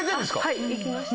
はい行きました。